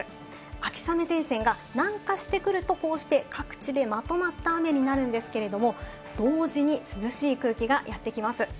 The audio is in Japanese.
秋雨前線が南下してくるとこうして各地でまとまった雨になるんですけれども、同時に涼しい空気がやってきます。